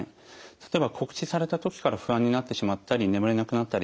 例えば告知された時から不安になってしまったり眠れなくなったり。